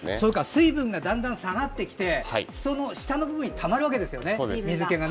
水分がだんだん下がってきてすその下の部分にたまるわけですね、水けが。